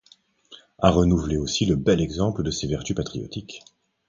A renouvelé aussi le bel exemple de ses vertus patriotiques.